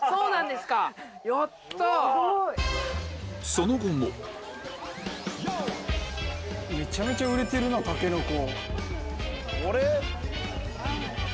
その後もめちゃめちゃ売れてるたけのこ。